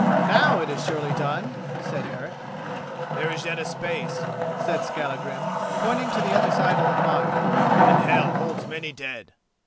"Now it is surely done," said Eric. "There is yet a space," said Skallagrim, pointing to the other side of the fire, "and Hell holds many dead."